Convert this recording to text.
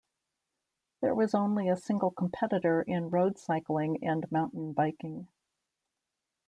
There was only a single competitor in road cycling and mountain biking.